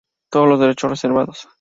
Todos los derechos reservados.